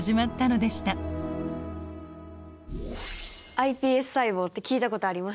ｉＰＳ細胞って聞いたことあります。